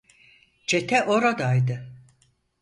Çete oradaydı.